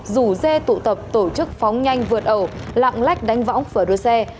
rủ dê tụ tập tổ chức phóng nhanh vượt ẩu lạng lách đánh vóng phở đua xe